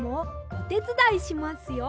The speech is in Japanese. おてつだいしますよ。